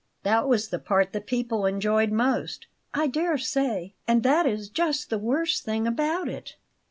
"That was the part the people enjoyed most." "I dare say; and that is just the worst thing about it."